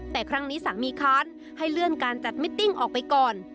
แต่ครั้งนี้สามีค้านให้เลื่อนการจัดมิตติ้งออกไปก่อน